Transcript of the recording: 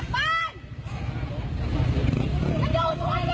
บ้านหนูใส่สิ